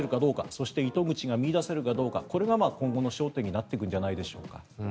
そして糸口が見いだせるかどうかが今後の焦点になってくるんじゃないでしょうか。